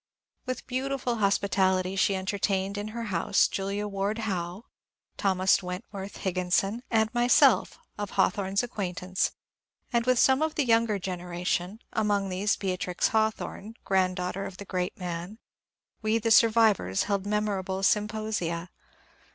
With beautiful hospitality she entertained in her house Julia Ward Howe, Thomas Wentworth Higginson, and myself, of Hawthorne's acquaintance, and with some of the younger gen eration, — among these Beatrix Hawthorne, granddaughter of the great man, — we the survivors held memorable symposia.